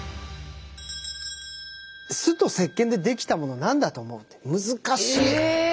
酢とせっけんでできたもの何だと思うって難しい。え！